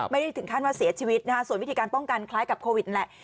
ไม่ได้ถึงขั้นว่าเสียชีวิตนะฮะส่วนวิธีการป้องกันคล้ายกับโควิดแหละ